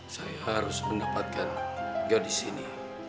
saya harus mendapatkan gadis ini